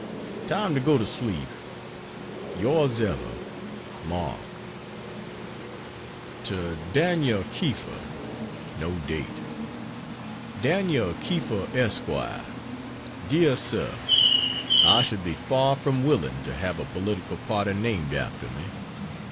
] Time to go to sleep. Yours ever, MARK. To Daniel Kiefer: [No date.] DANL KIEFER ESQ. DEAR SIR, I should be far from willing to have a political party named after me.